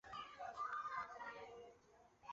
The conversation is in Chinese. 锉尾蛇主要分布于南印度及斯里兰卡。